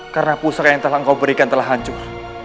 karena pusaka yang telah kau berikan telah hancur